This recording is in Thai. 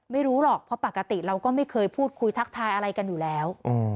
ไม่รู้หรอกเพราะปกติเราก็ไม่เคยพูดคุยทักทายอะไรกันอยู่แล้ว